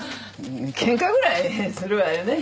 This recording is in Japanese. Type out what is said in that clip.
ケンカぐらいするわよね。